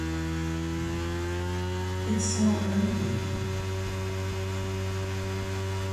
It's so early!